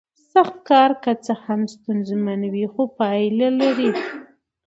سخت کار که څه هم ستونزمن وي خو پایله لري